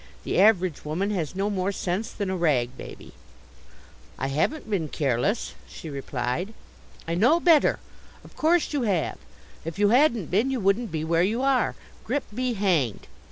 The average woman has no more sense than a rag baby." "I haven't been careless," she replied. "I know better! Of course you have! If you hadn't been you wouldn't be where you are. Grip be hanged!